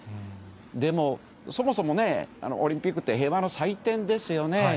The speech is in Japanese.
でも、そもそもね、オリンピックって平和の祭典ですよね。